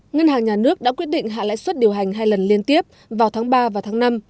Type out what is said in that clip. ngân hàng nhà nước đã quyết định hạ lãi suất điều hành hai lần liên tiếp vào tháng ba và tháng năm